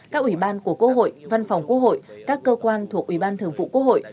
các ủy ban của quốc hội văn phòng quốc hội các cơ quan thuộc ủy ban thường vụ quốc hội